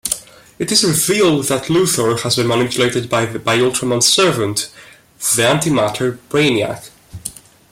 It is revealed that Luthor has been manipulated by Ultraman's servant, the antimatter Brainiac.